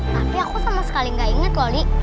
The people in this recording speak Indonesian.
tapi aku sama sekali gak inget woli